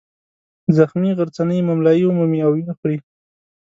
زخمي غرڅنۍ مُملایي ومومي او ویې خوري.